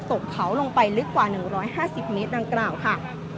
ตกเผาลงไปลึกกว่าหนึ่งร้อยห้าสิบเมตรดังกล่าวค่ะ